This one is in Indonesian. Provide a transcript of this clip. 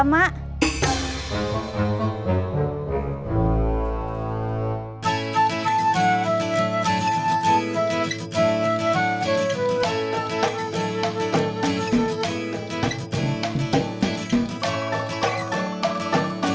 sampai jumpa lagi